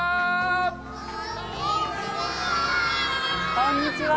こんにちは。